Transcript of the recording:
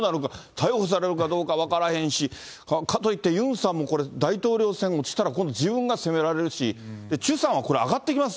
逮捕されるかどうか分からへんし、かといって、ユンさんもこれ、大統領選、落ちたら、今度自分が責められるし、チュさんはこれ、上がってきます？